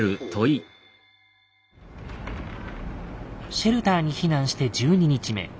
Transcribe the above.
シェルターに避難して１２日目。